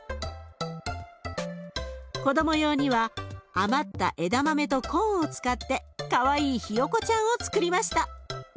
子ども用には余った枝豆とコーンを使ってかわいいヒヨコちゃんをつくりました。